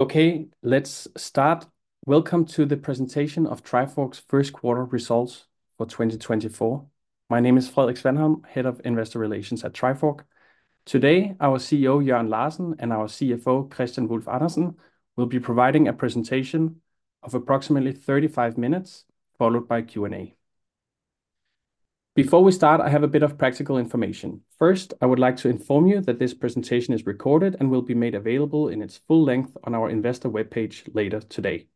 Okay let's start. Welcome to the presentation of Trifork's first quarter results for 2024. My name is Frederik Svanholm, Head of Investor Relations at Trifork. Today, our CEO, Jørn Larsen, and our CFO, Kristian Wulf-Andersen, will be providing a presentation of approximately 35 minutes, followed by Q&A. Before we start, I have a bit of practical information. First, I would like to inform you that this presentation is recorded and will be made available in its full length on our investor webpage later today.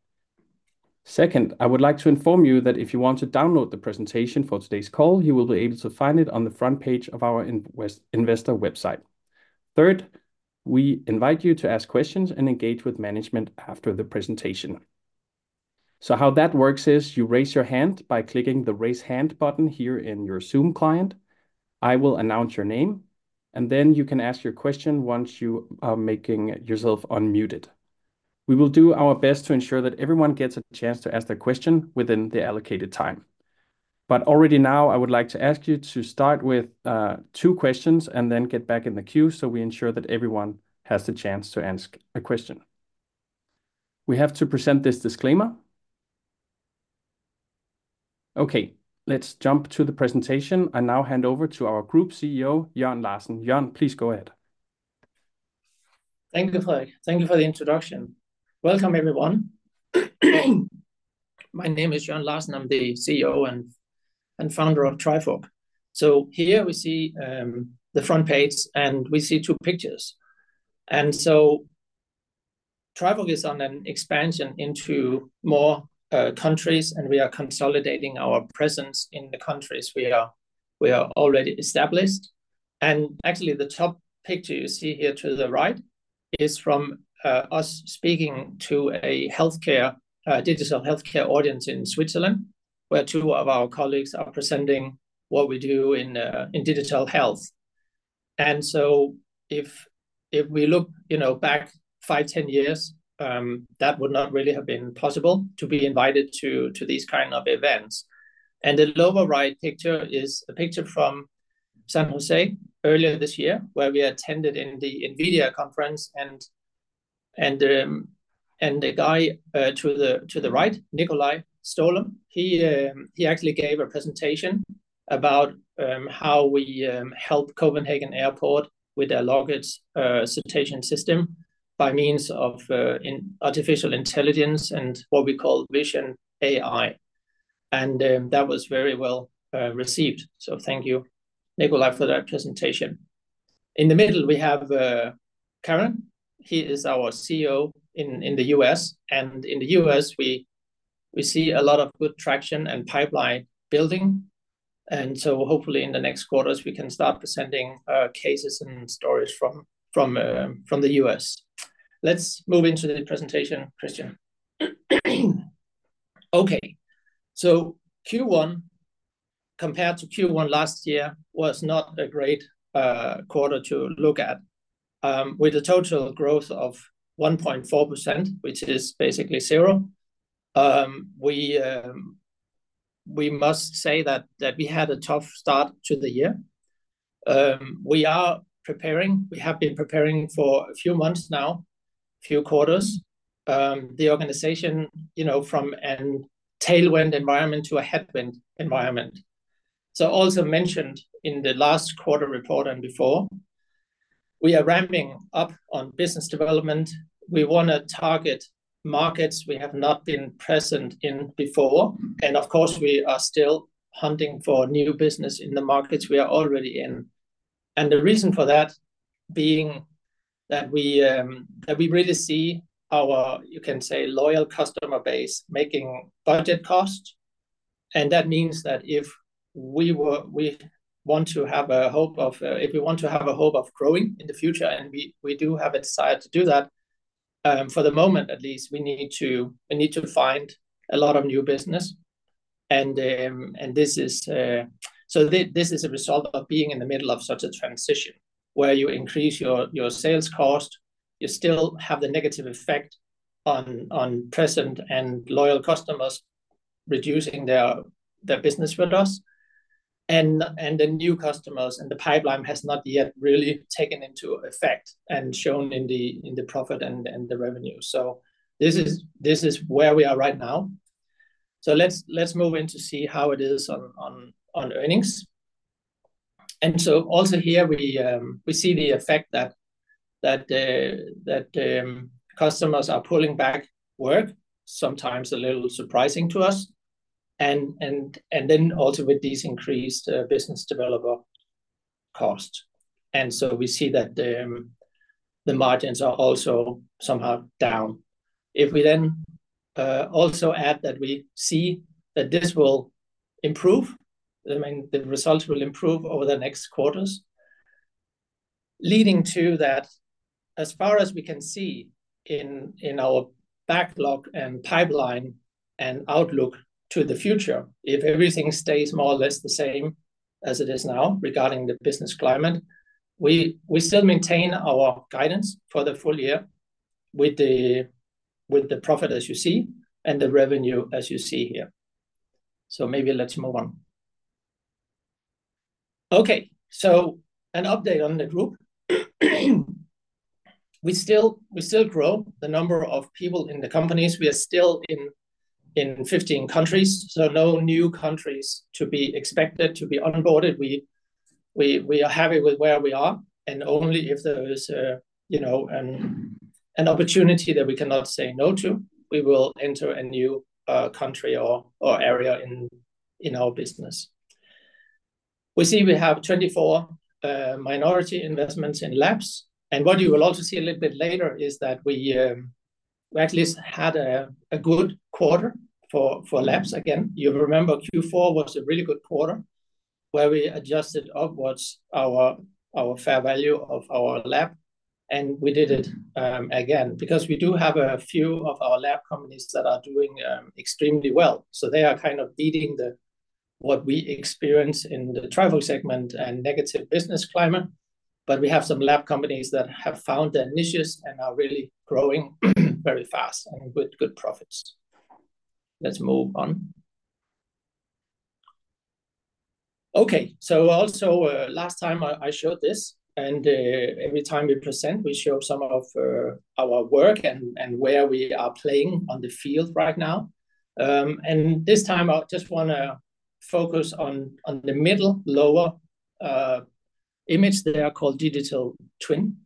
Second, I would like to inform you that if you want to download the presentation for today's call, you will be able to find it on the front page of our Investor website. Third, we invite you to ask questions and engage with management after the presentation. So how that works is, you raise your hand by clicking the Raise Hand button here in your Zoom client. I will announce your name, and then you can ask your question once you are making yourself unmuted. We will do our best to ensure that everyone gets a chance to ask their question within the allocated time, but already now, I would like to ask you to start with two questions and then get back in the queue so we ensure that everyone has the chance to ask a question. We have to present this disclaimer. Okay, let's jump to the presentation. I now hand over to our Group CEO, Jørn Larsen. Jørn please go ahead. Thank you Frederik. Thank you for the introduction. Welcome everyone. My name is Jørn Larsen. I'm the CEO and Founder of Trifork. So here we see the front page, and we see two pictures. So Trifork is on an expansion into more countries, and we are consolidating our presence in the countries we are already established. Actually, the top picture you see here to the right is from us speaking to a healthcare, a digital healthcare audience in Switzerland, where two of our colleagues are presenting what we do in Digital Health. So if we look, you know, back five, 10 years, that would not really have been possible to be invited to these kind of events. The lower right picture is a picture from San Jose earlier this year, where we attended the NVIDIA conference, and the guy to the right, Nicolai Stølum, he actually gave a presentation about how we helped Copenhagen Airport with their luggage system by means of an artificial intelligence and what we call Vision AI, and that was very well received. So thank you, Nicolai, for that presentation. In the middle, we have Karan. He is our CEO in the U.S. And in the U.S., we see a lot of good traction and pipeline building, and so hopefully, in the next quarters, we can start presenting cases and stories from the U.S. Let's move into the presentation, Kristian. Okay, so Q1, compared to Q1 last year, was not a great quarter to look at. With a total growth of 1.4%, which is basically zero, we must say that we had a tough start to the year. We have been preparing for a few months now, few quarters, the organization, you know, from a tailwind environment to a headwind environment. So also mentioned in the last quarter report and before, we are ramping up on business development. We want to target markets we have not been present in before, and of course, we are still hunting for new business in the markets we are already in. And the reason for that being that we really see our, you can say, loyal customer base, making budget cuts. That means that if we want to have a hope of growing in the future, and we do have a desire to do that, for the moment at least, we need to, we need to find a lot of new business. This is a result of being in the middle of such a transition, where you increase your sales cost, you still have the negative effect on present and loyal customers, reducing their business with us, and the new customers, and the pipeline has not yet really taken into effect and shown in the profit and the revenue. So this is where we are right now. So let's move in to see how it is on earnings. And so also here, we see the effect that customers are pulling back work, sometimes a little surprising to us, and then also with these increased business developer costs. And so we see that the margins are also somehow down. If we then also add that we see that this will improve, I mean, the results will improve over the next quarters, leading to that, as far as we can see in our backlog and pipeline and outlook to the future, if everything stays more or less the same as it is now, regarding the business climate, we still maintain our guidance for the full year with the profit, as you see, and the revenue, as you see here. So maybe let's move on... Okay, so an update on the group. We still grow the number of people in the companies. We are still in 15 countries, so no new countries to be expected to be onboarded. We are happy with where we are, and only if there is, you know, an opportunity that we cannot say no to, we will enter a new country or area in our business. We see we have 24 minority investments in labs, and what you will also see a little bit later is that we at least had a good quarter for labs again. You remember Q4 was a really good quarter, where we adjusted upwards our fair value of our lab, and we did it again, because we do have a few of our lab companies that are doing extremely well. So they are kind of leading the what we experience in the travel segment and negative business climate. But we have some lab companies that have found their niches and are really growing very fast, and with good profits. Let's move on. Okay. So also last time I showed this, and every time we present, we show some of our work and where we are playing on the field right now. And this time I just wanna focus on the middle lower image; they are called digital twin.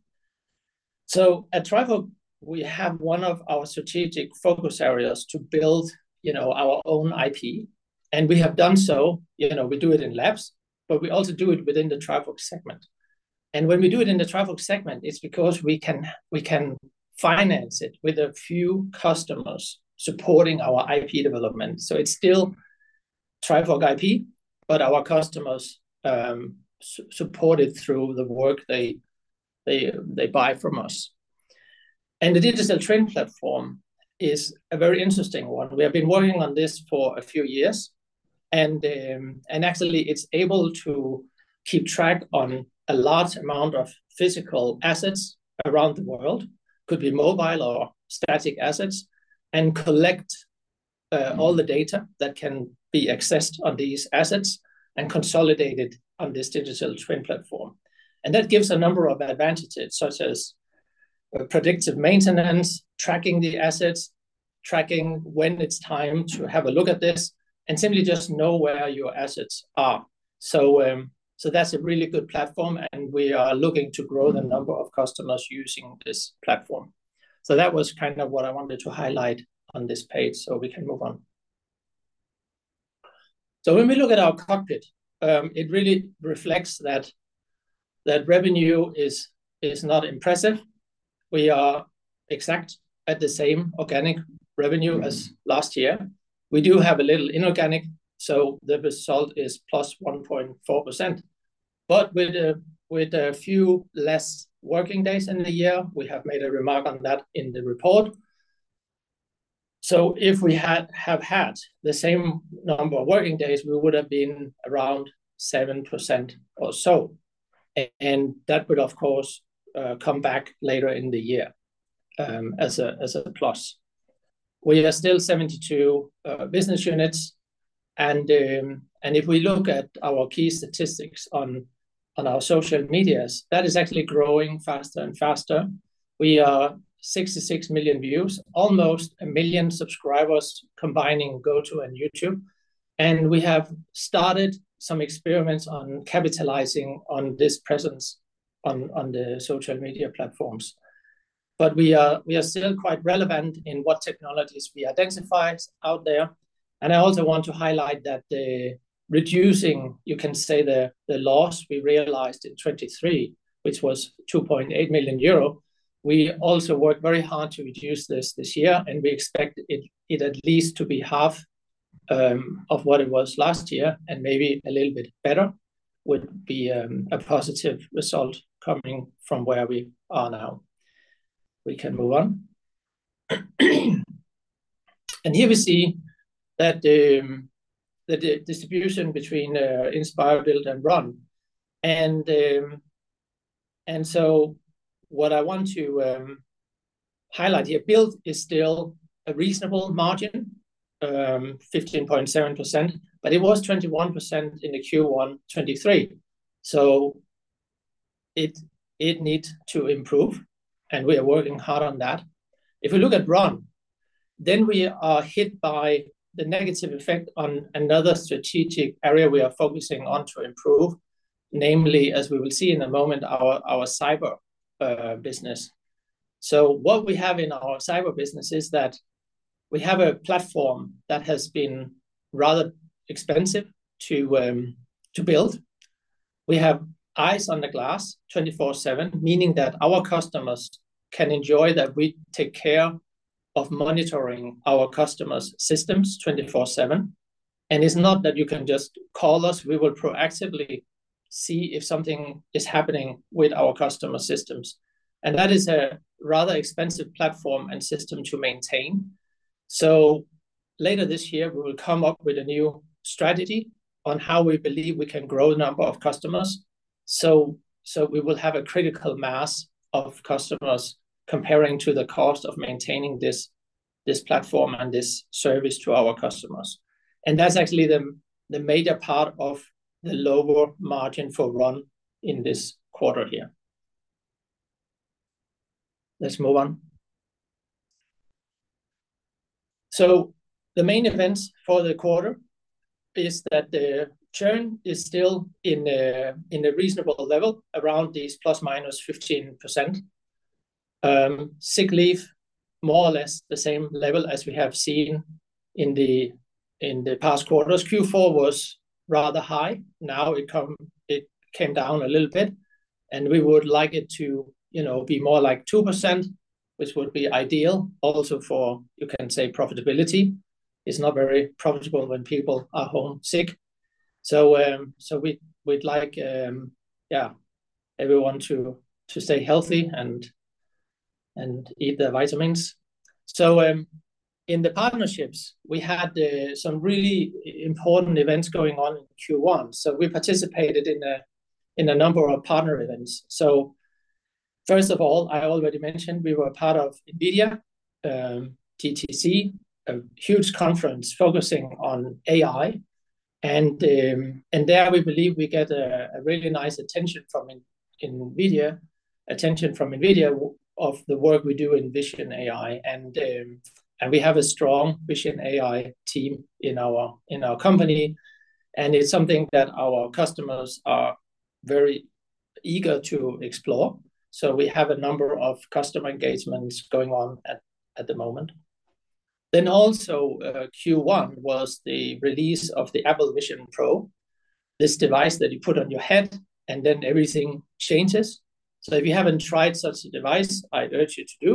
So at Trifork, we have one of our strategic focus areas to build, you know, our own IP, and we have done so. You know, we do it in labs, but we also do it within the Trifork segment. And when we do it in the Trifork segment, it's because we can finance it with a few customers supporting our IP development. So it's still Trifork IP, but our customers support it through the work they buy from us. And the Digital Twin platform is a very interesting one. We have been working on this for a few years, and actually it's able to keep track on a large amount of physical assets around the world. Could be mobile or static assets, and collect all the data that can be accessed on these assets, and consolidated on this Digital Twin platform. That gives a number of advantages, such as predictive maintenance, tracking the assets, tracking when it's time to have a look at this, and simply just know where your assets are. So that's a really good platform, and we are looking to grow the number of customers using this platform. So that was kind of what I wanted to highlight on this page, so we can move on. So when we look at our cockpit, it really reflects that revenue is not impressive. We are exactly at the same organic revenue as last year. We do have a little inorganic, so the result is +1.4%. But with a few less working days in the year, we have made a remark on that in the report. So if we had had the same number of working days, we would've been around 7% or so, and that would, of course, come back later in the year, as a plus. We are still 72 business units, and if we look at our key statistics on our social medias, that is actually growing faster and faster. We are 66 million views, almost 1 million subscribers, combining GOTO and YouTube, and we have started some experiments on capitalizing on this presence on the social media platforms. But we are still quite relevant in what technologies we identify out there. And I also want to highlight that the reducing, you can say the, the loss we realized in 2023, which was 2.8 million euro, we also worked very hard to reduce this this year, and we expect it, it at least to be half of what it was last year, and maybe a little bit better, would be a positive result coming from where we are now. We can move on. Here we see that the distribution between Inspire, Build, and Run, and so what I want to highlight here, Build is still a reasonable margin, 15.7%, but it was 21% in the Q1 2023. It needs to improve, and we are working hard on that. If we look at Run, then we are hit by the negative effect on another strategic area we are focusing on to improve, namely, as we will see in a moment, our cyber business. So what we have in our cyber business is that we have a platform that has been rather expensive to build. We have eyes on the glass 24/7, meaning that our customers can enjoy that we take care of monitoring our customers' systems 24/7. And it's not that you can just call us, we will proactively see if something is happening with our customer systems, and that is a rather expensive platform and system to maintain. So later this year, we will come up with a new strategy on how we believe we can grow the number of customers-... So we will have a critical mass of customers comparing to the cost of maintaining this platform and this service to our customers. And that's actually the major part of the lower margin for Run in this quarter here. Let's move on. So the main events for the quarter is that the churn is still in a reasonable level, around these ±15%. Sick leave, more or less the same level as we have seen in the past quarters. Q4 was rather high, now it came down a little bit, and we would like it to, you know, be more like 2%, which would be ideal also for, you can say, profitability. It's not very profitable when people are home sick. So, we’d like, yeah, everyone to stay healthy and eat their vitamins. So, in the partnerships, we had some really important events going on in Q1. So we participated in a number of partner events. So first of all, I already mentioned we were a part of NVIDIA GTC, a huge conference focusing on AI, and there we believe we get a really nice attention from NVIDIA of the work we do in Vision AI. And we have a strong Vision AI team in our company, and it’s something that our customers are very eager to explore, so we have a number of customer engagements going on at the moment. Then also, Q1 was the release of the Apple Vision Pro, this device that you put on your head, and then everything changes. So if you haven't tried such a device, I urge you to do,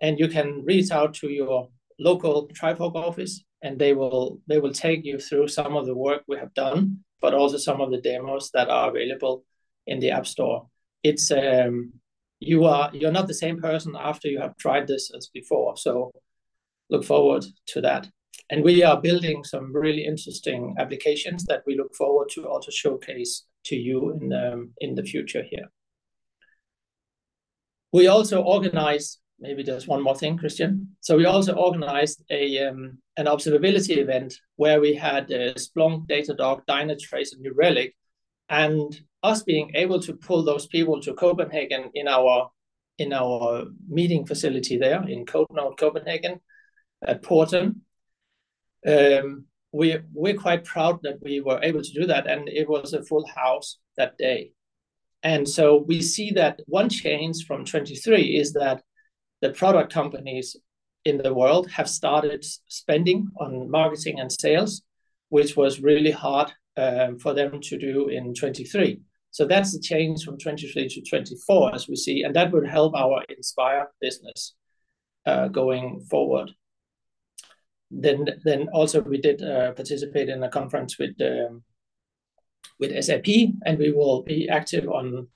and you can reach out to your local Trifork office, and they will, they will take you through some of the work we have done, but also some of the demos that are available in the App Store. It's... You are, you're not the same person after you have tried this as before, so look forward to that. And we are building some really interesting applications that we look forward to also showcase to you in, in the future here. We also organized. Maybe there's one more thing, Kristian. So we also organized a, an observability event, where we had, Splunk, Datadog, Dynatrace, and New Relic. And us being able to pull those people to Copenhagen in our meeting facility there in Nordhavn Copenhagen, at Porten, we're quite proud that we were able to do that, and it was a full house that day. So we see that one change from 2023 is that the product companies in the world have started spending on marketing and sales, which was really hard for them to do in 2023. So that's the change from 2023-2024, as we see, and that will help our Inspire business going forward. Then also we did participate in a conference with SAP, and we will be active on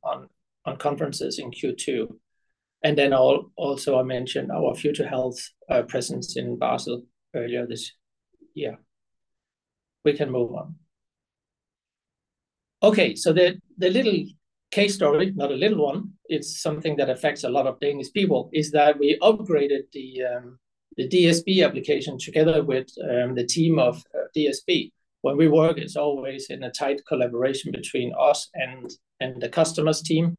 conferences in Q2. And then also, I mentioned our Future Health presence in Basel earlier this year. We can move on. Okay, so the little case story, not a little one, it's something that affects a lot of Danish people, is that we upgraded the DSB application together with the team of DSB. When we work, it's always in a tight collaboration between us and the customer's team,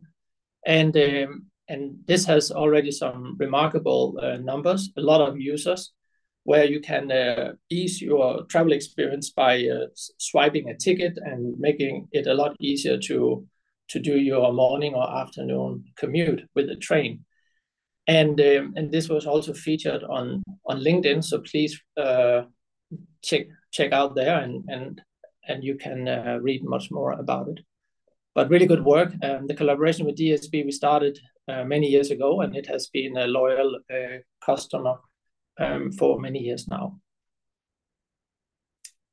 and this has already some remarkable numbers, a lot of users, where you can ease your travel experience by swiping a ticket and making it a lot easier to do your morning or afternoon commute with a train. And this was also featured on LinkedIn, so please check out there, and you can read much more about it. But really good work. The collaboration with DSB we started many years ago, and it has been a loyal customer for many years now.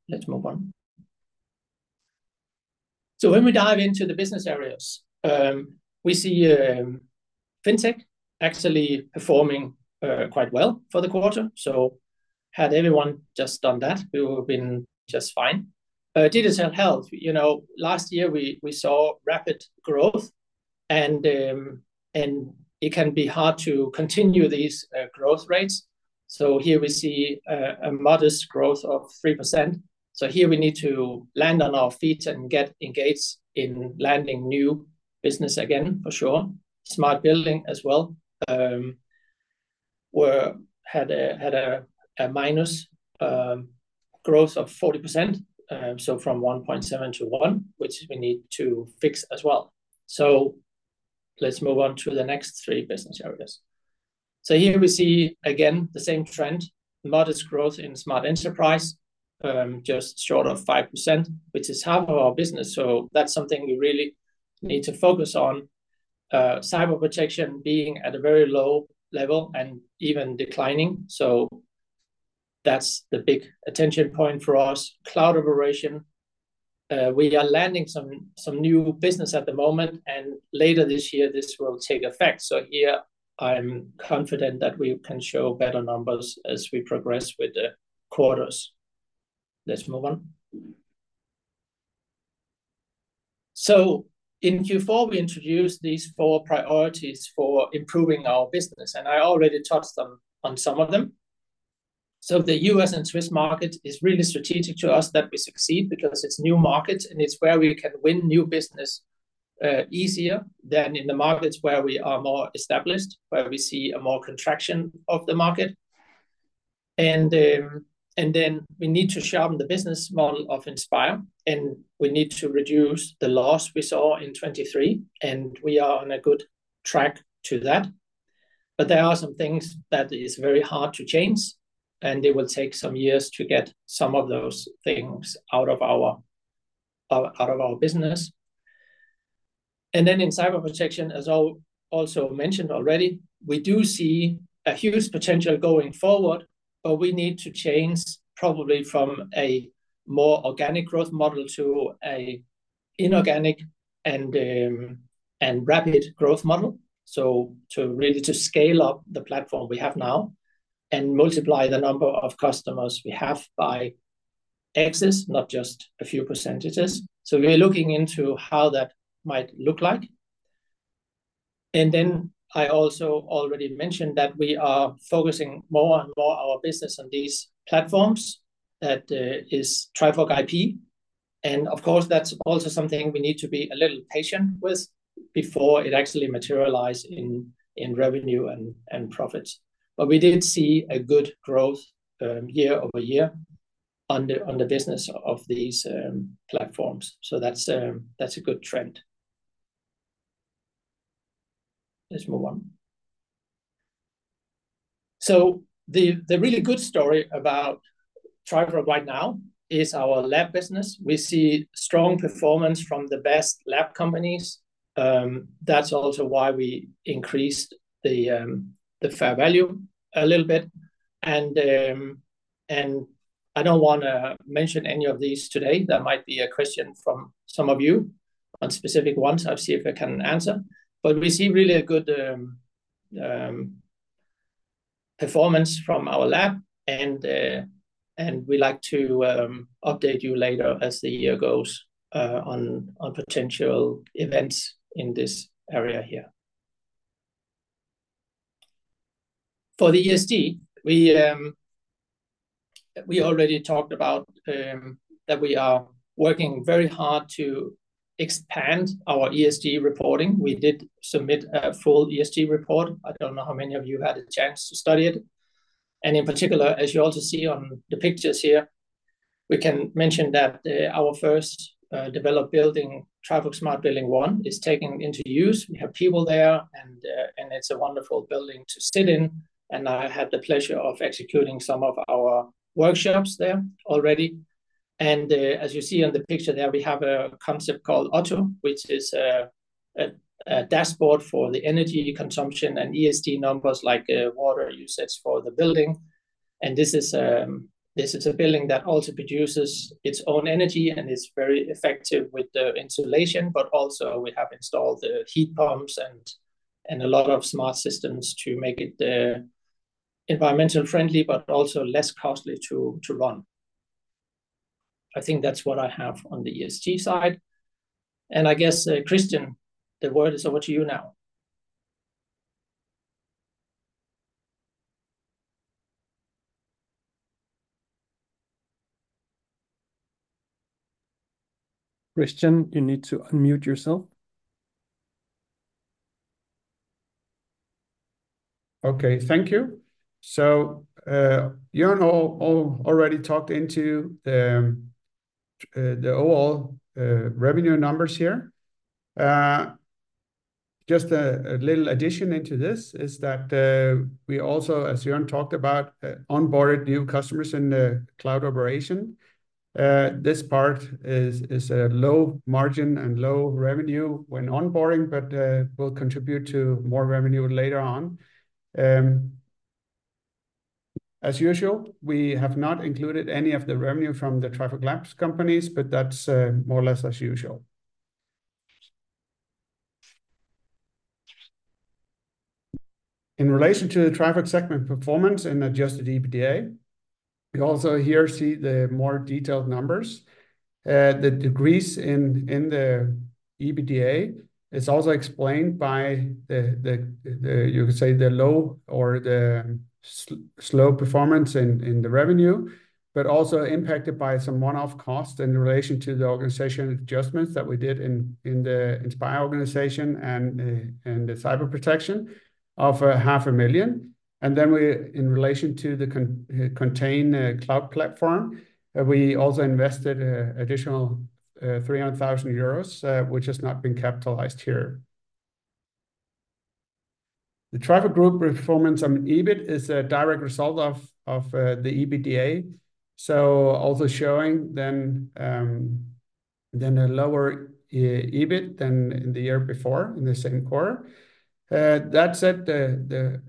Let's move on. So when we dive into the business areas, we see FinTech actually performing quite well for the quarter. So had everyone just done that, we would have been just fine. Digital Health, you know, last year we saw rapid growth, and it can be hard to continue these growth rates. So here we see a modest growth of 3%. So here we need to land on our feet and get engaged in landing new business again, for sure. Smart Building as well had a -40% growth, so from 1.7-1, which we need to fix as well. So let's move on to the next three business areas. So here we see, again, the same trend, modest growth in Smart Enterprise, just short of 5%, which is half of our business, so that's something we really need to focus on. Cyber Protection being at a very low level and even declining, so that's the big attention point for us. Cloud Operation, we are landing some new business at the moment, and later this year this will take effect. So here I'm confident that we can show better numbers as we progress with the quarters. Let's move on. So in Q4, we introduced these four priorities for improving our business, and I already touched on some of them. So the U.S. and Swiss market is really strategic to us that we succeed because it's new markets, and it's where we can win new business, easier than in the markets where we are more established, where we see a more contraction of the market. And then we need to sharpen the business model of Inspire, and we need to reduce the loss we saw in 2023, and we are on a good track to that. But there are some things that is very hard to change, and it will take some years to get some of those things out of our business. And then in Cyber Protection, as I also mentioned already, we do see a huge potential going forward, but we need to change probably from a more organic growth model to a inorganic and rapid growth model. So to really scale up the platform we have now and multiply the number of customers we have by X's, not just a few percentages. So we're looking into how that might look like. And then I also already mentioned that we are focusing more and more our business on these platforms, that is Trifork IP. And of course, that's also something we need to be a little patient with before it actually materialize in, in revenue and, and profits. But we did see a good growth year over year on the business of these platforms. So that's that's a good trend. Let's move on. So the really good story about Trifork right now is our lab business. We see strong performance from the best lab companies. That's also why we increased the fair value a little bit. And I don't wanna mention any of these today. That might be a question from some of you on specific ones. I'll see if I can answer. But we see really a good performance from our lab, and we like to update you later as the year goes on, on potential events in this area here. For the ESG, we already talked about that we are working very hard to expand our ESG reporting. We did submit a full ESG report. I don't know how many of you had a chance to study it. And in particular, as you also see on the pictures here, we can mention that our first developed building, Trifork Smart Building 1, is taken into use. We have people there, and it's a wonderful building to sit in, and I had the pleasure of executing some of our workshops there already. And as you see on the picture there, we have a concept called OTTO, which is a dashboard for the energy consumption and ESG numbers like water usage for the building. And this is a building that also produces its own energy and is very effective with the insulation, but also we have installed the heat pumps and a lot of smart systems to make it environmental friendly, but also less costly to run. I think that's what I have on the ESG side. And I guess, Kristian, the word is over to you now. Kristian, you need to unmute yourself. Okay, thank you. So, Jørn already talked about the overall revenue numbers here. Just a little addition to this is that we also, as Jørn talked about, onboarded new customers in the cloud operation. This part is a low margin and low revenue when onboarding, but will contribute to more revenue later on. As usual, we have not included any of the revenue from the Trifork Labs companies, but that's more or less as usual. In relation to the Trifork segment performance and adjusted EBITDA, we also here see the more detailed numbers. The decrease in the EBITDA is also explained by the... You could say, the low or the slow performance in the revenue, but also impacted by some one-off costs in relation to the organization adjustments that we did in the Inspire organization and the Cyber Protection of 500,000. Then, in relation to the Contain cloud platform, we also invested additional 300,000 euros, which has not been capitalized here. The Trifork Group performance on EBIT is a direct result of the EBITDA, so also showing a lower EBIT than the year before in the second quarter. That said, the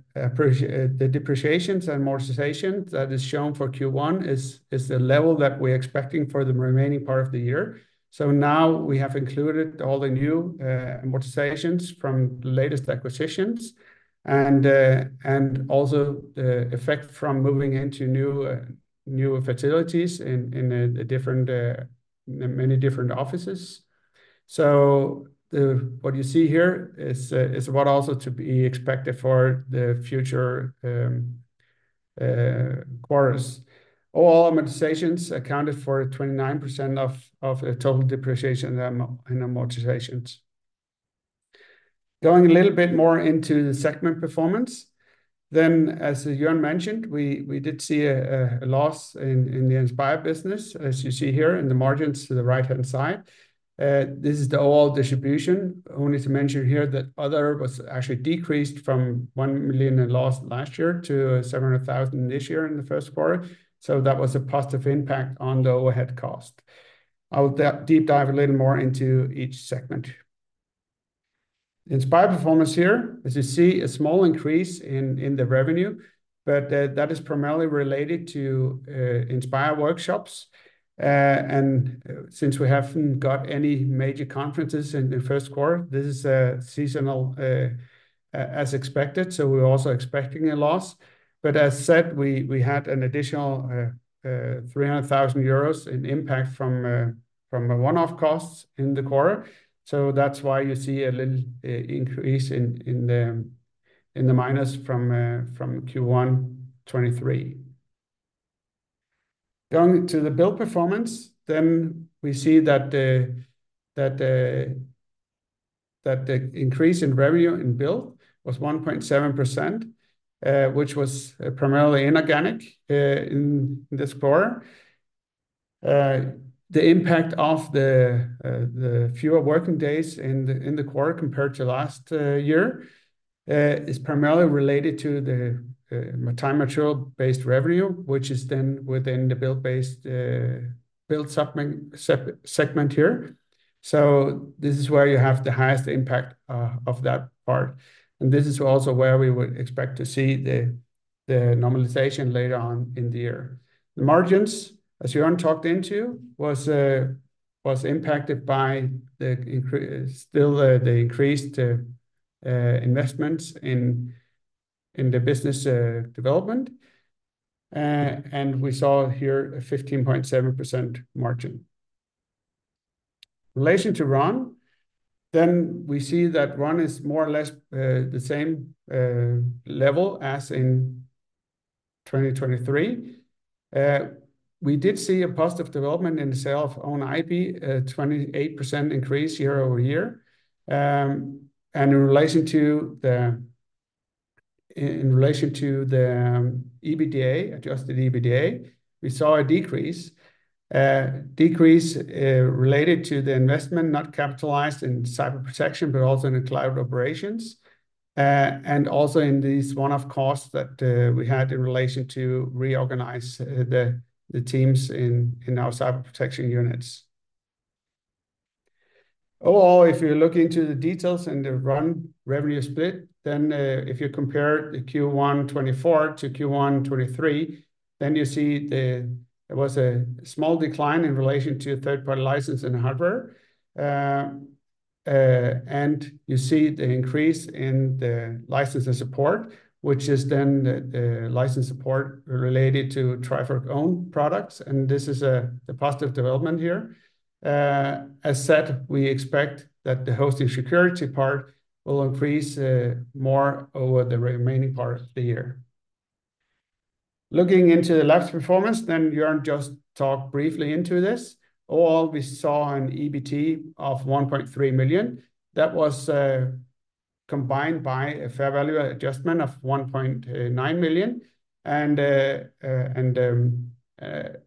depreciations and amortizations that is shown for Q1 is the level that we're expecting for the remaining part of the year. So now we have included all the new amortizations from latest acquisitions and also the effect from moving into new facilities in many different offices. So what you see here is what also to be expected for the future quarters. All amortizations accounted for 29% of the total depreciation and amortizations. Going a little bit more into the segment performance, then, as Jørn mentioned, we did see a loss in the Inspire business, as you see here in the margins to the right-hand side. This is the overall distribution, only to mention here that other was actually decreased from 1 million in loss last year to 700 thousand this year in the first quarter, so that was a positive impact on the overhead cost. I'll deep dive a little more into each segment. Inspire performance here, as you see, a small increase in the revenue, but that is primarily related to Inspire workshops. And since we haven't got any major conferences in the first quarter, this is seasonal as expected, so we're also expecting a loss. But as said, we had an additional 300,000 euros in impact from a one-off costs in the quarter. So that's why you see a little increase in the minus from Q1 2023. Going to the Build performance, then we see that the increase in revenue in Build was 1.7%, which was primarily inorganic in this quarter. The impact of the fewer working days in the quarter compared to last year is primarily related to the time material-based revenue, which is then within the Build segment here. So this is where you have the highest impact of that part, and this is also where we would expect to see the normalization later on in the year. The margins, as Jørn talked about, was impacted by the increased investments in the business development. And we saw here a 15.7% margin. In relation to Run, we see that Run is more or less the same level as in 2023. We did see a positive development in the sale of own IP, a 28% increase year-over-year. And in relation to the EBITDA, adjusted EBITDA, we saw a decrease related to the investment not capitalized in Cyber Protection, but also in the Cloud Operations, and also in these one-off costs that we had in relation to reorganize the teams in our Cyber Protection units. Overall, if you look into the details and the Run revenue split, then if you compare the Q1 2024 to Q1 2023, then you see the... There was a small decline in relation to third-party license and hardware. And you see the increase in the license and support, which is then the, the license support related to Trifork own products, and this is, the positive development here. As said, we expect that the hosting security part will increase, more over the remaining part of the year. Looking into the Labs performance, then Jørn just talked briefly into this. All we saw an EBIT of 1.3 million, that was, combined by a fair value adjustment of 1.9 million, and,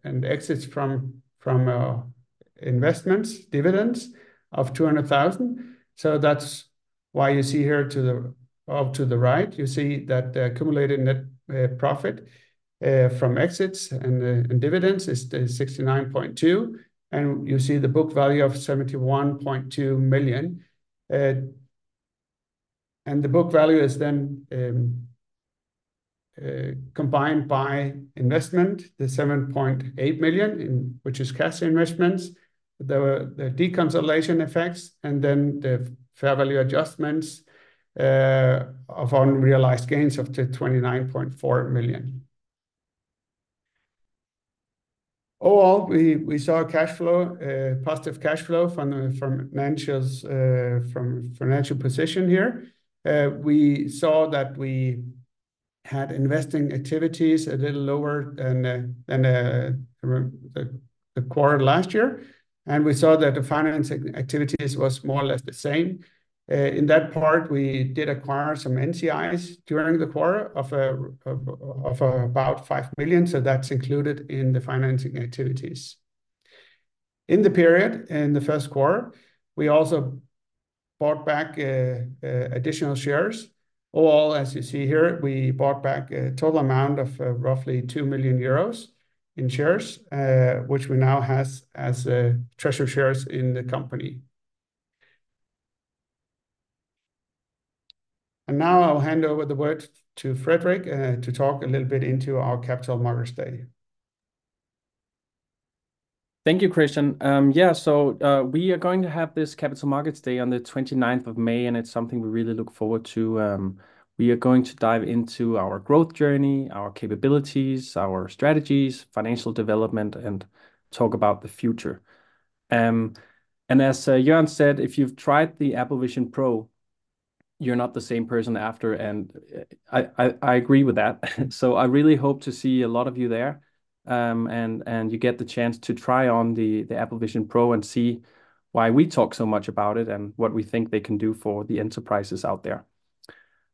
and exits from, from, investments, dividends of 200,000. So that's why you see here to the, up to the right, you see that the accumulated net, profit, from exits and, and dividends is the 69.2, and you see the book value of 71.2 million. And the book value is then combined by investment, the 7.8 million, which is cash investments. There were the deconsolidation effects, and then the fair value adjustments of unrealized gains of the 29.4 million. Overall, we saw cash flow positive cash flow from financials from financial position here. We saw that we had investing activities a little lower than the quarter last year, and we saw that the financing activities was more or less the same. In that part, we did acquire some NCIs during the quarter of about 5 million, so that's included in the financing activities. In the period, in the first quarter, we also bought back additional shares. Overall, as you see here, we bought back a total amount of roughly 2 million euros in shares, which we now has as treasury shares in the company. And now I'll hand over the word to Frederik to talk a little bit into our Capital Markets Day. Thank you Kristian. Yeah, so, we are going to have this capital markets day on the 29th of May, and it's something we really look forward to. We are going to dive into our growth journey, our capabilities, our strategies, financial development, and talk about the future. And as Jørn said, if you've tried the Apple Vision Pro-... you're not the same person after, and I agree with that. So I really hope to see a lot of you there, and you get the chance to try on the Apple Vision Pro and see why we talk so much about it, and what we think they can do for the enterprises out there.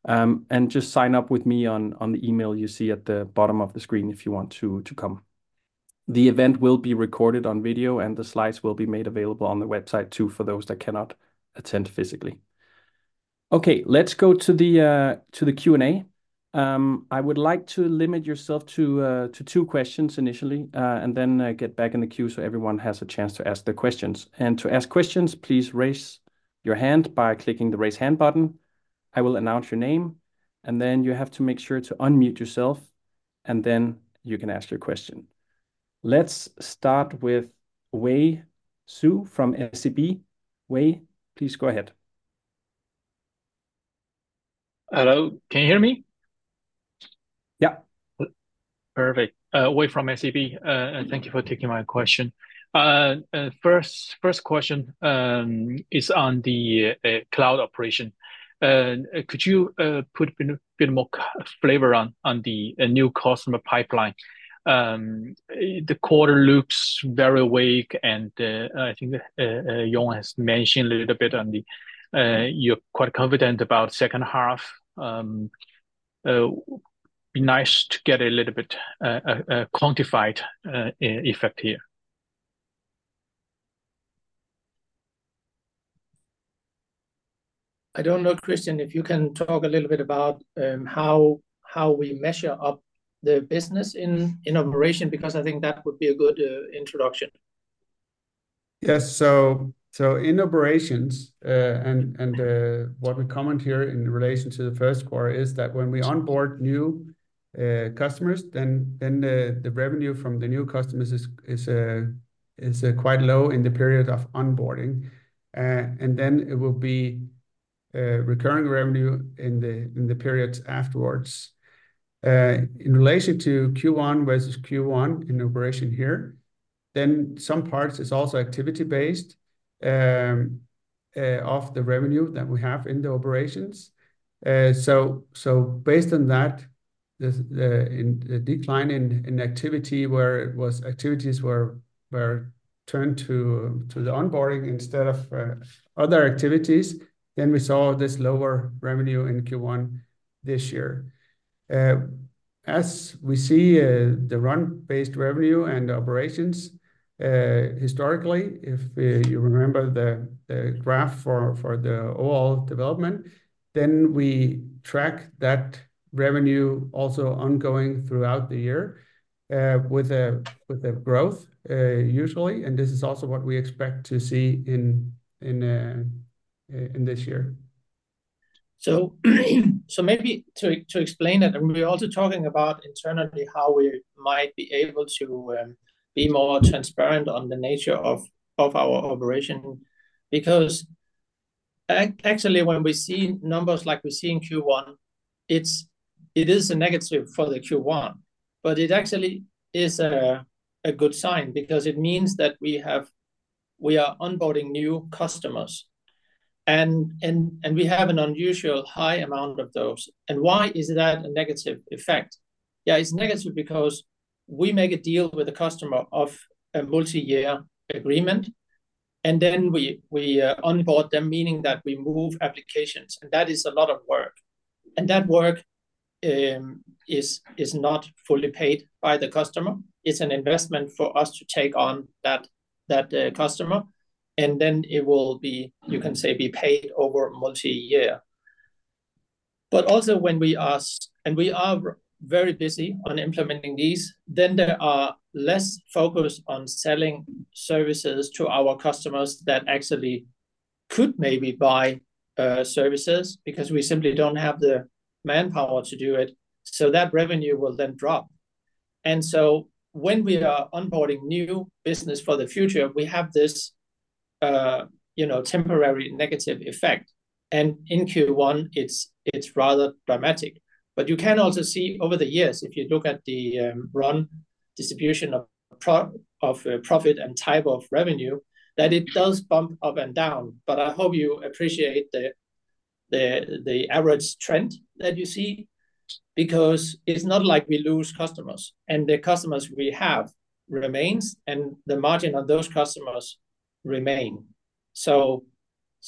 And just sign up with me on the email you see at the bottom of the screen if you want to come. The event will be recorded on video, and the slides will be made available on the website, too, for those that cannot attend physically. Okay, let's go to the Q&A. I would like to limit yourself to two questions initially, and then get back in the queue so everyone has a chance to ask their questions. And to ask questions, please raise your hand by clicking the Raise Hand button. I will announce your name, and then you have to make sure to unmute yourself, and then you can ask your question. Let's start with Yiwei Zhou from SEB. Yiwei, please go ahead. Hello can you hear me? Yeah. Perfect. Yiwei from SEB, and thank you for taking my question. First question is on the cloud operation. Could you put a bit more flavor on the new customer pipeline? The quarter looks very weak, and I think Jon has mentioned a little bit on the... You're quite confident about second half. Be nice to get a little bit quantified effect here. I don't know, Kristian, if you can talk a little bit about how we measure up the business in operation, because I think that would be a good introduction. Yes, so in operations, and what we comment here in relation to the first quarter is that when we onboard new customers, then the revenue from the new customers is quite low in the period of onboarding. And then it will be recurring revenue in the periods afterwards. In relation to Q1 versus Q1 in operation here, then some parts is also activity-based of the revenue that we have in the operations. So based on that, the decline in activity where activities were turned to the onboarding instead of other activities, then we saw this lower revenue in Q1 this year. As we see, the Run-based revenue and operations, historically, if you remember the graph for the overall development, then we track that revenue also ongoing throughout the year, with a growth, usually, and this is also what we expect to see in this year. So, maybe to explain that, and we're also talking about internally how we might be able to be more transparent on the nature of our operation. Because actually, when we see numbers like we see in Q1, it is a negative for the Q1, but it actually is a good sign because it means that we have. We are onboarding new customers, and we have an unusual high amount of those. And why is that a negative effect? Yeah, it's negative because we make a deal with the customer of a multi-year agreement, and then we onboard them, meaning that we move applications, and that is a lot of work. And that work is not fully paid by the customer. It's an investment for us to take on that customer, and then it will be, you can say, be paid over multi-year. But also when we are and we are very busy on implementing these, then there are less focus on selling services to our customers that actually could maybe buy services because we simply don't have the manpower to do it, so that revenue will then drop. And so when we are onboarding new business for the future, we have this temporary negative effect, and in Q1, it's rather dramatic. But you can also see over the years, if you look at the Run distribution of profit and type of revenue, that it does bump up and down. But I hope you appreciate the average trend that you see, because it's not like we lose customers, and the customers we have remains, and the margin on those customers remain. So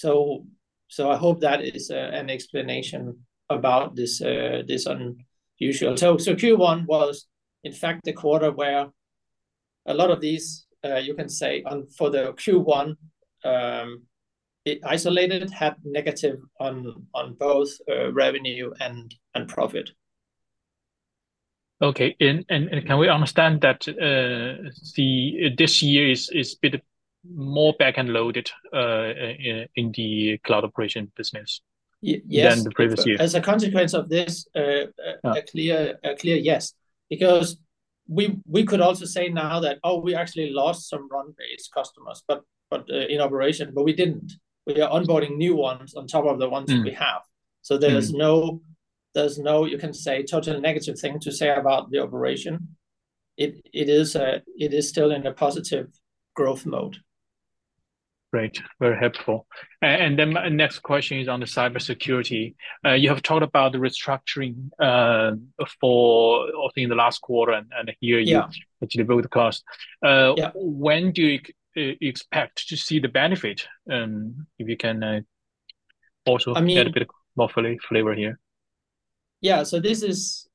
I hope that is an explanation about this unusual... So Q1 was, in fact, the quarter where a lot of these you can say for the Q1 it isolated had negative on both revenue and profit. Okay, and can we understand that this year is a bit more back and loaded in the Cloud Operation business- Y- yes... than the previous years? As a consequence of this, Yeah... a clear yes, because we could also say now that, "Oh, we actually lost some Run-based customers, but in operation," but we didn't. We are onboarding new ones on top of the ones that we have. Mm. So there's no, you can say, totally negative thing to say about the operation. It is still in a positive growth mode. Great, very helpful. And then my next question is on the cybersecurity. You have talked about the restructuring for, I think, the last quarter and a year- Yeah -actually both cost. Yeah... when do you expect to see the benefit? If you can, also- I mean- Get a bit more flavor here. Yeah, so this is,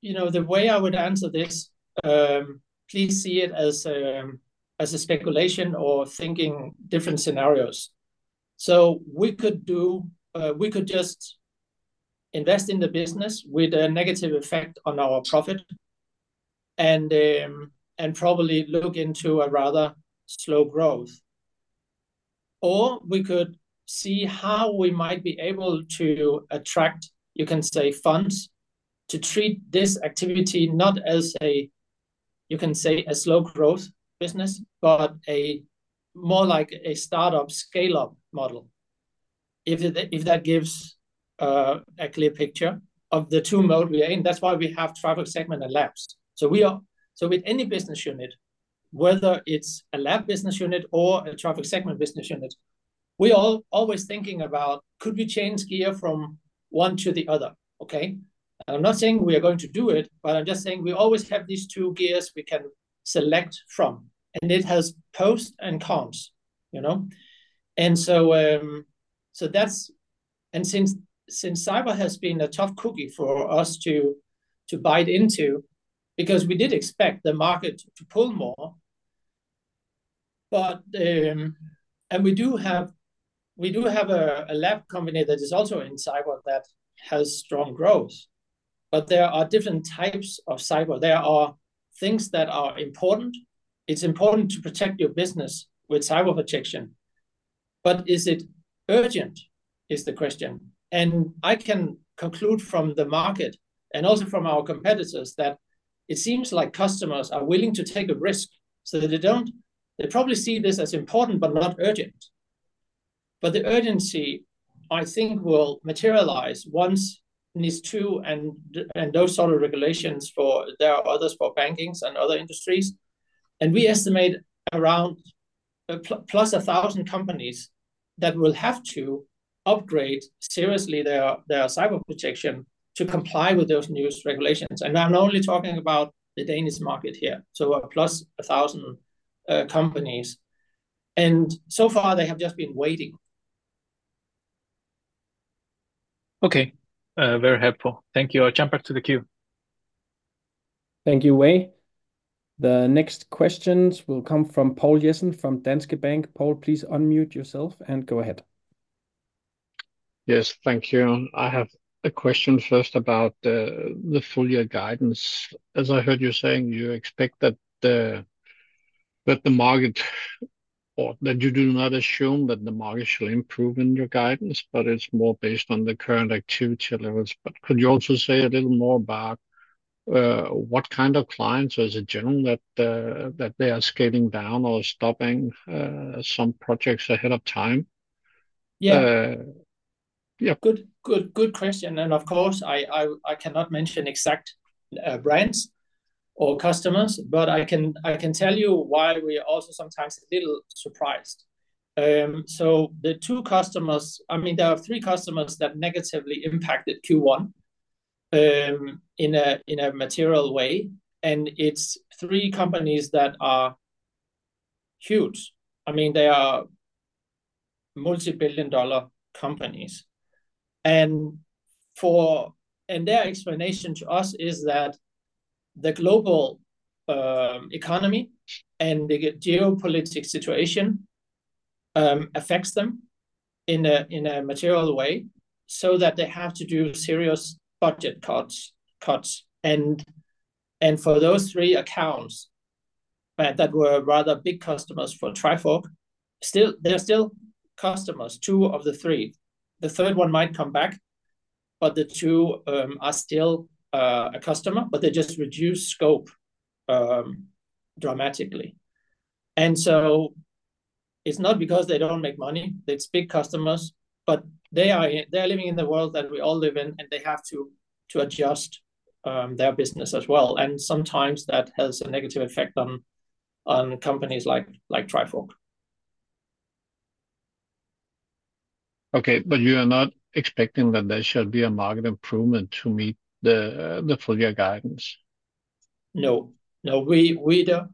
you know, the way I would answer this. Please see it as a speculation or thinking different scenarios. So we could do, we could just invest in the business with a negative effect on our profit, and probably look into a rather slow growth. Or we could see how we might be able to attract, you can say, funds, to treat this activity not as a, you can say, a slow growth business, but a more like a startup scale-up model. If that gives a clear picture of the two modes we are in. That's why we have traffic segment and labs. So we are... So with any business unit, whether it's a lab business unit or a traffic segment business unit, we all always thinking about, could we change gear from one to the other, okay? And I'm not saying we are going to do it, but I'm just saying we always have these two gears we can select from, and it has pros and cons, you know? And so, that's and since cyber has been a tough cookie for us to bite into, because we did expect the market to pull more. But, and we do have a lab company that is also in cyber that has strong growth, but there are different types of cyber. There are things that are important. It's important to protect your business with Cyber Protection, but is it urgent, is the question. I can conclude from the market, and also from our competitors, that it seems like customers are willing to take a risk so that they don't... They probably see this as important, but not urgent. But the urgency, I think, will materialize once NIS2 and those sort of regulations for banking and other industries. And we estimate around +1,000 companies that will have to upgrade seriously their Cyber Protection to comply with those new regulations. And I'm only talking about the Danish market here, so +1,000 companies. And so far, they have just been waiting. Okay very helpful thank you. I'll jump back to the queue. Thank you Yiwei. The next questions will come from Poul Jessen from Danske Bank. Poul please unmute yourself, and go ahead. Yes thank you. I have a question first about the full year guidance. As I heard you saying, you expect that the, that the market or that you do not assume that the market shall improve in your guidance, but it's more based on the current activity levels. But could you also say a little more about what kind of clients as a general that that they are scaling down or stopping some projects ahead of time? Yeah. Uh, yeah. Good, good, good question, and of course, I cannot mention exact brands or customers, but I can tell you why we are also sometimes a little surprised. So the two customers... I mean, there are three customers that negatively impacted Q1 in a material way, and it's three companies that are huge. I mean, they are multi-billion dollar companies. And their explanation to us is that the global economy and the geopolitical situation affects them in a material way, so that they have to do serious budget cuts. And for those three accounts that were rather big customers for Trifork, still—they're still customers, two of the three. The third one might come back, but the two are still a customer, but they just reduced scope dramatically. So it's not because they don't make money, it's big customers, but they're living in the world that we all live in, and they have to adjust their business as well, and sometimes that has a negative effect on companies like Trifork. Okay, but you are not expecting that there should be a market improvement to meet the full year guidance? No, we don't,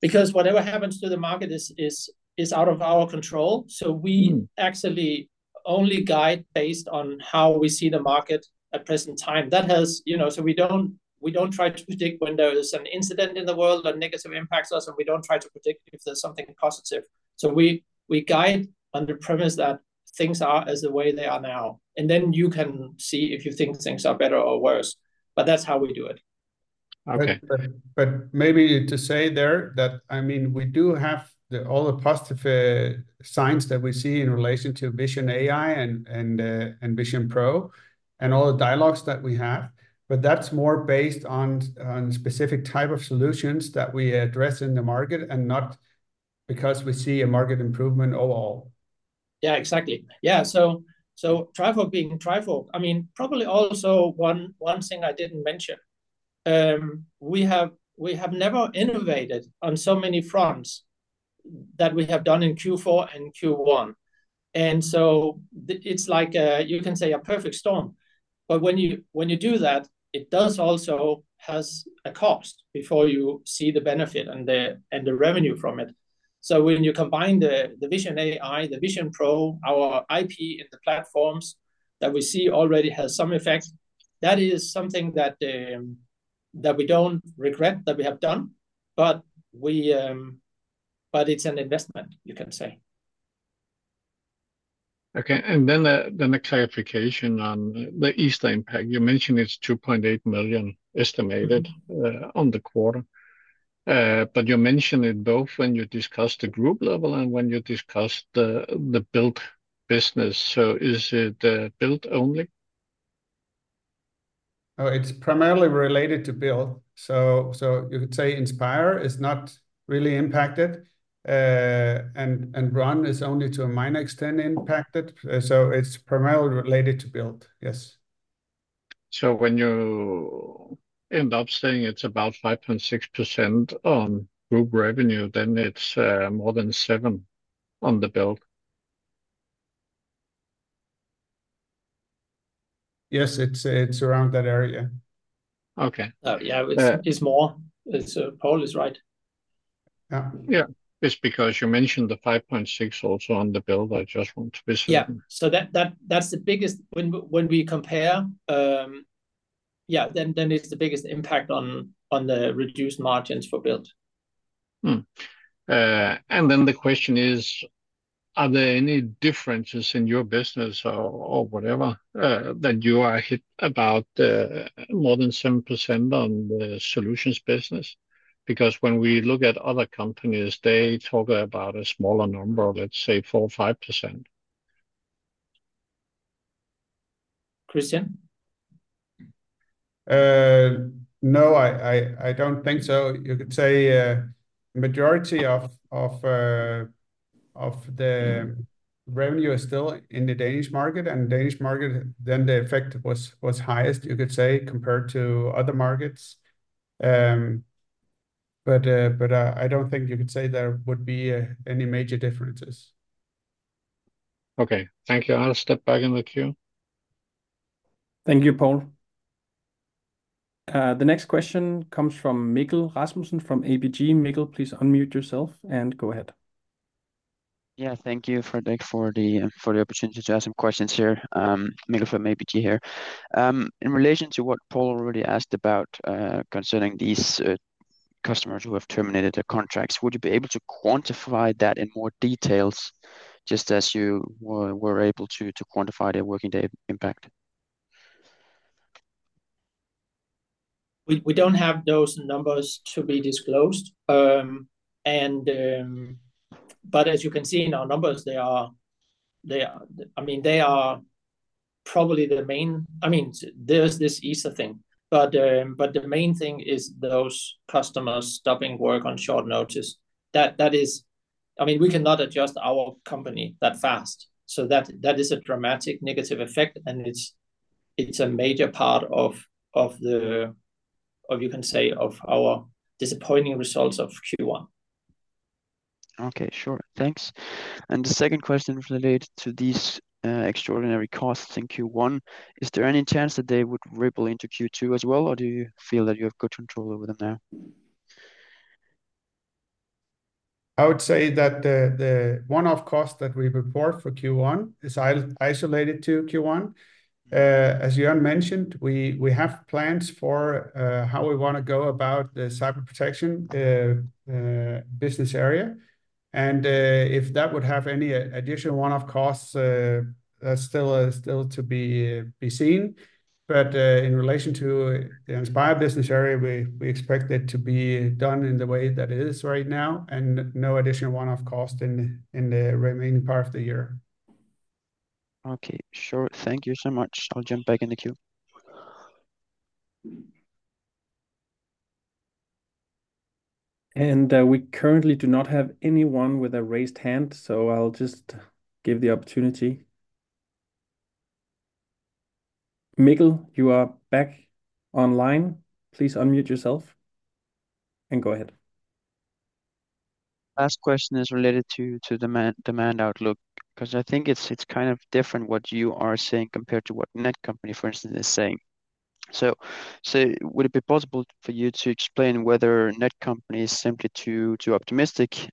because whatever happens to the market is out of our control. Mm. We actually only guide based on how we see the market at present time. That has, you know, so we don't, we don't try to predict when there is an incident in the world that negatively impacts us, and we don't try to predict if there's something positive. We, we guide on the premise that things are as the way they are now, and then you can see if you think things are better or worse, but that's how we do it. Okay. But maybe to say there that, I mean, we do have all the positive signs that we see in relation to Vision AI and Vision Pro, and all the dialogues that we have, but that's more based on specific type of solutions that we address in the market, and not because we see a market improvement overall. ... Yeah, exactly. Yeah, so Trifork being Trifork, I mean, probably also one thing I didn't mention, we have never innovated on so many fronts that we have done in Q4 and Q1. And so it's like a, you can say, a perfect storm. But when you do that, it does also has a cost before you see the benefit and the revenue from it. So when you combine the Vision AI, the Vision Pro, our IP in the platforms, that we see already has some effects, that is something that we don't regret that we have done, but... But it's an investment, you can say. Okay, and then the clarification on the ESA impact. You mentioned it's 2.8 million estimated- Mm... on the quarter. But you mention it both when you discuss the group level and when you discuss the Build business. So is it Build only? Oh, it's primarily related to Build. So you could say Inspire is not really impacted. And Run is only to a minor extent impacted. So it's primarily related to Build, yes. So when you end up saying it's about 5.6% on group revenue, then it's more than 7% on the Build? Yes, it's around that area. Okay. Oh, yeah, it's more. It's, Poul is right. Yeah. Yeah. It's because you mentioned the 5.6 also on the Build. I just want to be certain. Yeah. So that, that's the biggest... When we compare, yeah, then it's the biggest impact on the reduced margins for build. And then the question is, are there any differences in your business or whatever that you are hit about more than 7% on the solutions business? Because when we look at other companies, they talk about a smaller number, let's say 4 or 5%. Kristian? No, I don't think so. You could say majority of the revenue is still in the Danish market, and Danish market, then the effect was highest, you could say, compared to other markets. But, I don't think you could say there would be any major differences. Okay. Thank you. I'll step back in the queue. Thank you, Poul. The next question comes from Mikkel Rasmussen from ABG. Mikkel, please unmute yourself and go ahead. Yeah, thank you, Frederik, for the opportunity to ask some questions here. Mikkel from ABG here. In relation to what Poul already asked about, concerning these customers who have terminated their contracts, would you be able to quantify that in more details, just as you were able to quantify their working day impact? We don't have those numbers to be disclosed. But as you can see in our numbers, they are. I mean, they are probably the main. I mean, there's this ESA thing, but the main thing is those customers stopping work on short notice. That is. I mean, we cannot adjust our company that fast, so that is a dramatic negative effect, and it's a major part of, of the, of you can say, of our disappointing results of Q1. Okay sure thanks. And the second question relate to these, extraordinary costs in Q1. Is there any chance that they would ripple into Q2 as well, or do you feel that you have good control over them now? I would say that the one-off cost that we report for Q1 is isolated to Q1. As Jørn mentioned, we have plans for how we wanna go about the Cyber Protection business area, and if that would have any additional one-off costs, still to be seen. But in relation to the Inspire business area, we expect it to be done in the way that it is right now, and no additional one-off cost in the remaining part of the year. Okay sure thank you so much. I'll jump back in the queue. We currently do not have anyone with a raised hand, so I'll just give the opportunity. Mikkel, you are back online. Please unmute yourself and go ahead. Last question is related to demand outlook, 'cause I think it's kind of different what you are saying compared to what Netcompany, for instance, is saying. So would it be possible for you to explain whether Netcompany is simply too optimistic,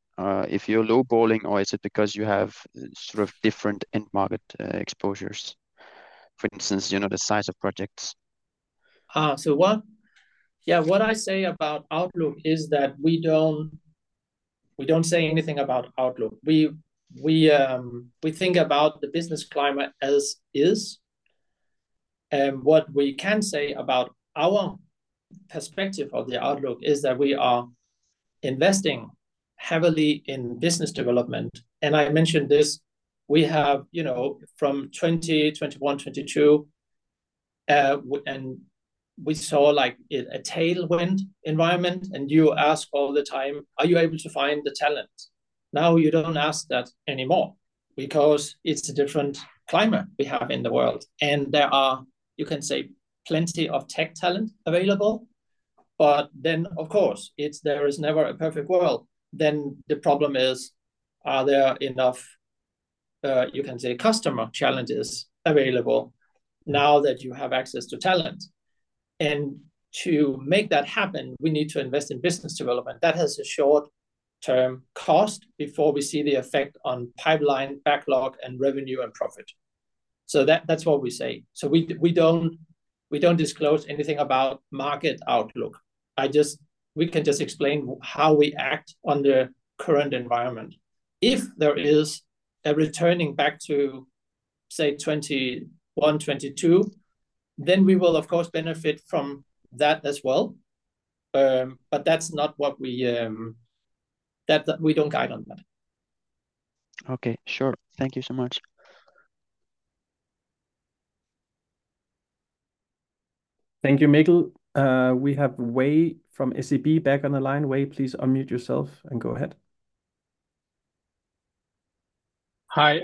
if you're lowballing, or is it because you have sort of different end market exposures? For instance, you know, the size of projects. What I say about outlook is that we don't say anything about outlook. We think about the business climate as is. And what we can say about our perspective of the outlook is that we are investing heavily in business development, and I mentioned this. We have, you know, from 2021, 2022 and we saw, like, a tailwind environment, and you ask all the time, "Are you able to find the talent?" Now you don't ask that anymore because it's a different climate we have in the world, and there are, you can say, plenty of tech talent available. But then, of course, it's there is never a perfect world. Then the problem is, are there enough, you can say, customer challenges available now that you have access to talent? To make that happen, we need to invest in business development. That has a short-term cost before we see the effect on pipeline backlog, and revenue, and profit. That's what we say. We don't disclose anything about market outlook. I just... We can just explain how we act on the current environment. If there is a returning back to, say, 2021, 2022, then we will, of course, benefit from that as well. But that's not what we... that we don't guide on that. Okay sure thank you so much. Thank you Mikkel. We have Yiwei from SEB back on the line. Yiwei, please unmute yourself and go ahead. Hi,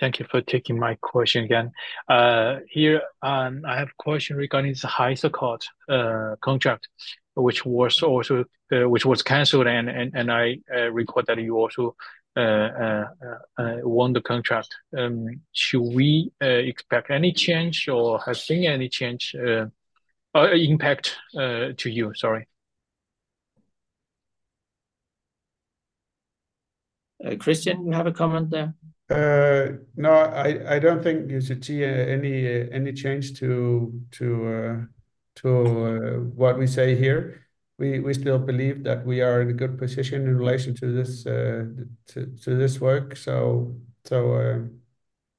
thank you for taking my question again. Here, I have a question regarding the High Court contract, which was also, which was canceled, and, and I recall that you also won the contract. Should we expect any change, or have seen any change, or impact to you? Sorry. Kristian, you have a comment there? No, I don't think you should see any change to what we say here. We still believe that we are in a good position in relation to this work, so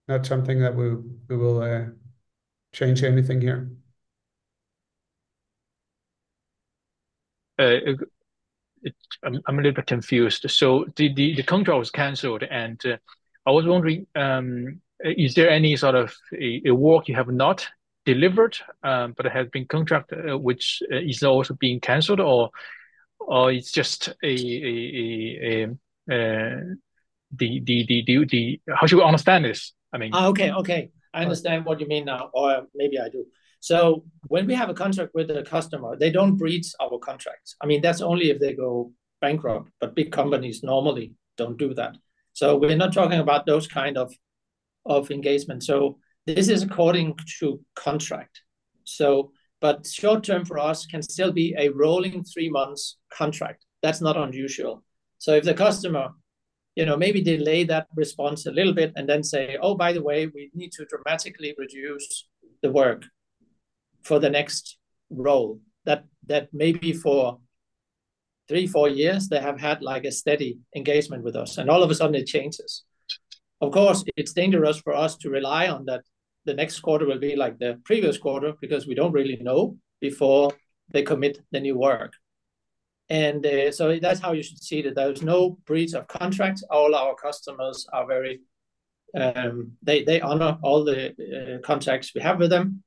not something that we will change anything here. I'm a little bit confused. So the contract was canceled, and I was wondering, is there any sort of a work you have not delivered, but it has been contract, which is also being canceled, or it's just a... How should we understand this? I mean- Okay, okay, I understand what you mean now, or maybe I do. So when we have a contract with a customer, they don't breach our contracts. I mean, that's only if they go bankrupt, but big companies normally don't do that. So we're not talking about those kind of engagement. So this is according to contract, so... But short-term for us can still be a rolling three months contract. That's not unusual. So if the customer, you know, maybe delay that response a little bit and then say, "Oh, by the way, we need to dramatically reduce the work for the next role," that may be for three, four years, they have had, like, a steady engagement with us, and all of a sudden it changes. Of course, it's dangerous for us to rely on that the next quarter will be like the previous quarter, because we don't really know before they commit the new work. So that's how you should see that there is no breach of contract. All our customers are very. They honor all the contracts we have with them.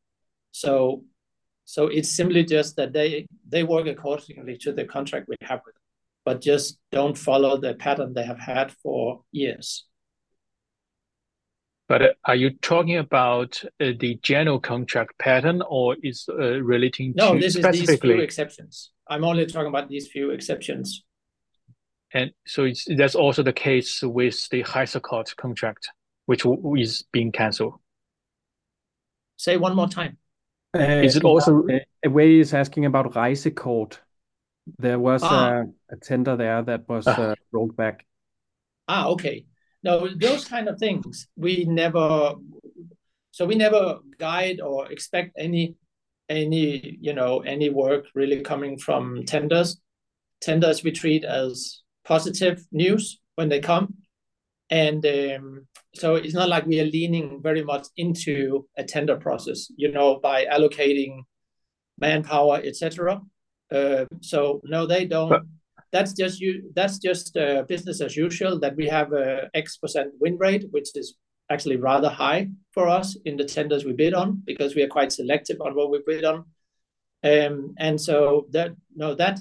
So it's simply just that they work accordingly to the contract we have with them, but just don't follow the pattern they have had for years. Are you talking about the general contract pattern or is relating to specifically? No this is these few exceptions. I'm only talking about these few exceptions. And so it's, that's also the case with the High Court contract, which is being canceled? Say one more time. Is it also- Yiwei is asking about High Court. There was a- Ah... a tender there that was, Ah... rolled back. Ah, okay. No, those kind of things, we never... So we never guide or expect any, any, you know, any work really coming from tenders. Tenders we treat as positive news when they come, and, so it's not like we are leaning very much into a tender process, you know, by allocating manpower, et cetera. So no, they don't- But-... that's just business as usual, that we have a X% win rate, which is actually rather high for us in the tenders we bid on, because we are quite selective on what we bid on. And so that, no, that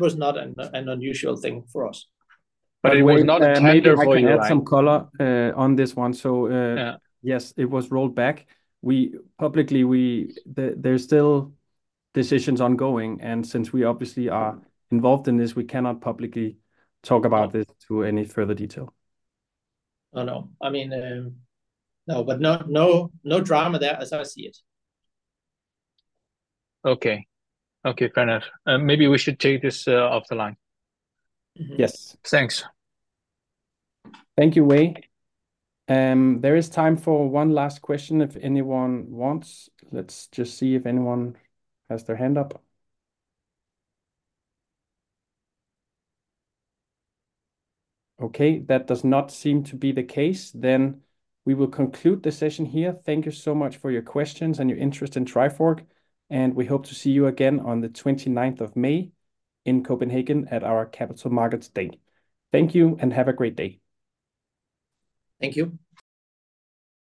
was not an unusual thing for us. But it was not-... Maybe I can add some color on this one. So- Yeah Yes, it was rolled back. Publicly, there's still decisions ongoing, and since we obviously are involved in this, we cannot publicly talk about this to any further detail. Oh, no. I mean, no, but no, no, no drama there as I see it. Okay. Okay fair enough maybe we should take this off the line. Mm-hmm. Yes. Thanks. Thank you Yiwei. There is time for one last question if anyone wants. Let's just see if anyone has their hand up. Okay, that does not seem to be the case, then we will conclude the session here. Thank you so much for your questions and your interest in Trifork, and we hope to see you again on the 29th of May in Copenhagen at our Capital Markets Day. Thank you, and have a great day. Thank you.